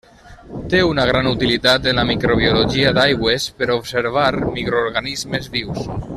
Té una gran utilitat en la microbiologia d'aigües per observar microorganismes vius.